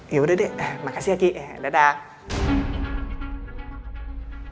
ya udah deh makasih lagi dadah